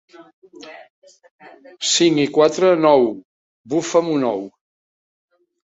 Cinc i quatre, nou. —Bufa'm un ou.